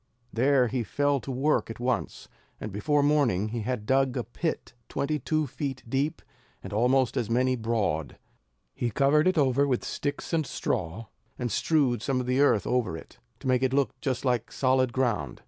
There he fell to work at once, and before morning he had dug a pit twenty two feet deep, and almost as many broad. He covered it over with sticks and straw, and strewed some of the earth over them, to make it look just like solid ground.